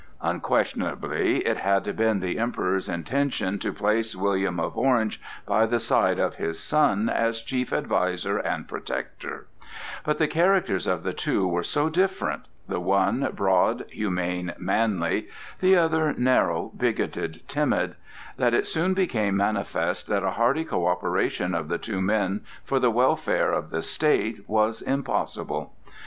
Unquestionably it had been the Emperor's intention to place William of Orange by the side of his son as chief adviser and protector; but the characters of the two were so different—the one broad, humane, manly; the other narrow, bigoted, timid—that it soon became manifest that a hearty coöperation of the two men for the welfare of the state was impossible.